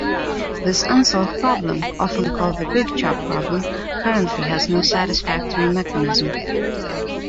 This unsolved problem, often called the "big chop" problem, currently has no satisfactory mechanism.